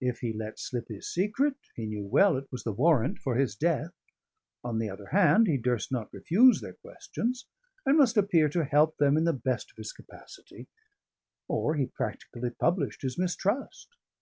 If he let slip his secret, he knew well it was the warrant for his death; on the other hand, he durst not refuse their questions, and must appear to help them to the best of his capacity, or he practically published his mistrust.